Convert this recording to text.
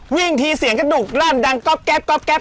วิ่งทีเสียงชั้นดุร่านดังก๊อบแก๊ป